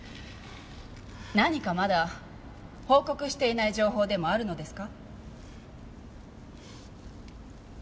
何かまだ報告していない情報でもあるのですか？